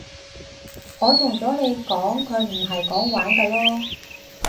我同咗你講佢唔係講玩㗎囉